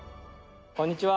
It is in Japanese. こんにちは。